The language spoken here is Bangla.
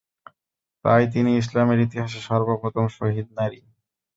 তাই তিনি ইসলামের ইতিহাসে সর্ব প্রথম শহীদ নারী।